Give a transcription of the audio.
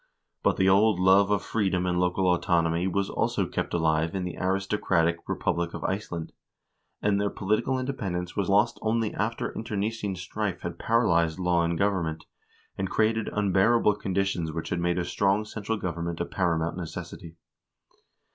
But the old love of freedom and local autonomy was also kept alive in the aristocratic republic of Iceland, and their political independence was lost only after internecine strife had paralyzed law and government, and created unbearable conditions which made a strong central government a paramount necessity.